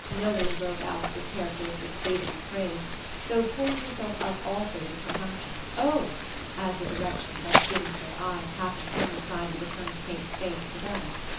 Milly broke out with characteristic freedom of praise, though pulling herself up also with a compunctious "Oh!" as the direction thus given to their eyes happened to coincide with a turn of Kate's face to them.